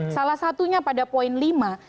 salah satunya pada poin lima